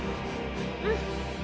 うん。